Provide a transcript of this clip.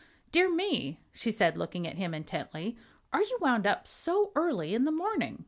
"Dear me!" she said, looking at him intently; "are you wound up so early in the morning?"